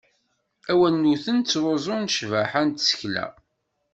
Awalnuten ttruẓen ccbaḥa n tsekla.